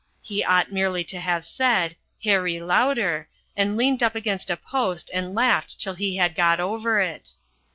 He ought merely to have said, "Harry Lauder," and leaned up against a post and laughed till he had got over it.